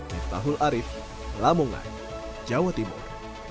di tahul arif lamungan jawa timur